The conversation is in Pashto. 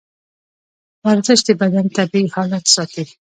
ورزش د بدن طبیعي حالت ساتي.